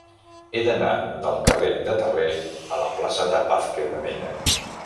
He d'anar del carrer de Terré a la plaça de Vázquez de Mella.